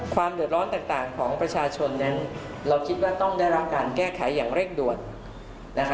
ความเดือดร้อนต่างของประชาชนนั้นเราคิดว่าต้องได้รับการแก้ไขอย่างเร่งด่วนนะคะ